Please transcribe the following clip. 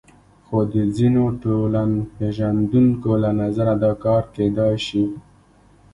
خو د ځینو ټولنپېژندونکو له نظره دا کار کېدای شي.